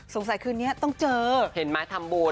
สงสัยคืนนี้ต้องเจอเห็นมั้ยทำบุญ